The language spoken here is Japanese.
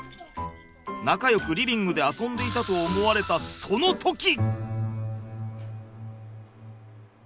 仲よくリビングで遊んでいたと思われたその時。